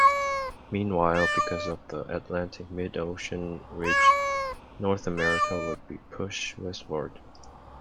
Meanwhile, because of the Atlantic mid-ocean ridge, North America would be pushed westward.